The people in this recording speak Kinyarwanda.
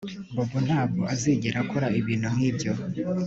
Bobo ntabwo azigera akora ibintu nkibyo